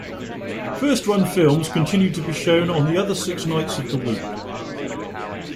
First-run films continued to be shown on the other six nights of the week.